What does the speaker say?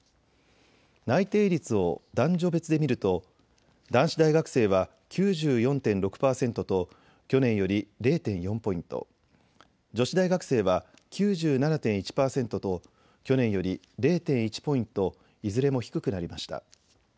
内定率を男女別で見ると男子大学生は９４．６％と去年より０．４ポイント、女子大学生は９７．１％と去年より０．１ポイントいずれも低くなりました。